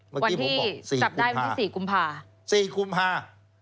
เมื่อที่ผมบอก๔๕นสีกุ่มภาคมค่ะ